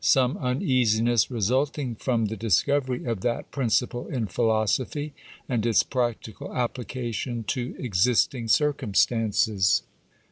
Some uneasiness resulting from the dis covery of that principle in philosophy, and its practical application to existing circumstances.